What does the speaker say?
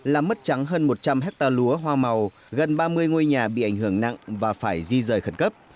làm mất trắng hơn một trăm linh hectare lúa hoa màu gần ba mươi ngôi nhà bị ảnh hưởng nặng và phải di rời khẩn cấp